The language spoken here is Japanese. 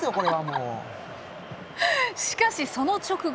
しかし、その直後。